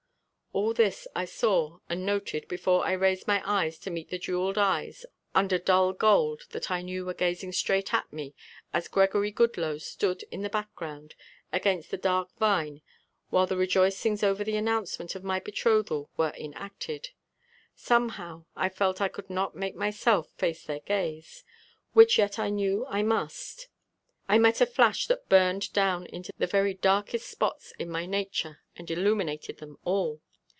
All this I saw and noted before I raised my eyes to meet the jeweled eyes under dull gold that I knew were gazing straight at me as Gregory Goodloe stood in the background against the dark vine while the rejoicings over the announcement of my betrothal were enacted. Somehow I felt I could not make myself face their gaze, which yet I knew I must. I met a flash that burned down into the very darkest spots in my nature and illuminated them all.